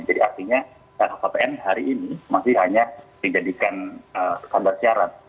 jadi artinya lhkpn hari ini masih hanya dijadikan standar syarat